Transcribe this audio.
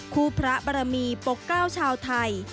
พระบรมีปกเก้าชาวไทย